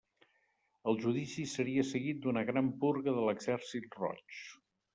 El judici seria seguit d'una gran purga de l'Exèrcit Roig.